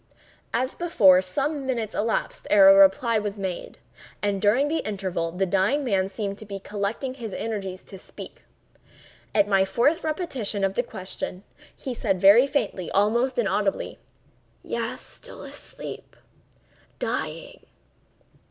As before, some minutes elapsed ere a reply was made; and during the interval the dying man seemed to be collecting his energies to speak. At my fourth repetition of the question, he said very faintly, almost inaudibly: "Yes; still asleep—dying."